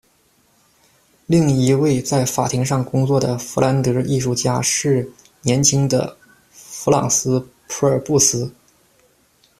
另一位在法庭上工作的佛兰德艺术家是年轻的弗朗斯·普尔布斯。